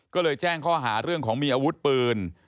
ก็เลยแจ้งข้อหาเรื่องของมีอาวุธปืน